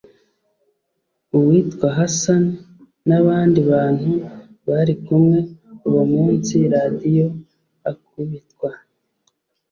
uwitwa Hassan n’abandi bantu bari kumwe uwo munsi Radio akubitwa